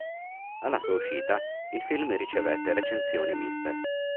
Alla sua uscita il film ricevette recensioni miste.